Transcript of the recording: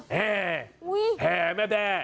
แห่แห่แม่แด้